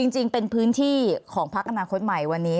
จริงเป็นพื้นที่ของพักอนาคตใหม่วันนี้